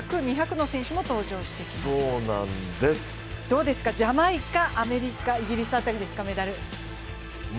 どうですか、ジャマイカ、アメリカ、イギリス辺りですか、メダル。